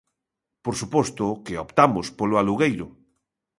Por suposto que optamos polo alugueiro.